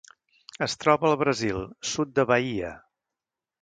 Es troba al Brasil: sud de Bahia.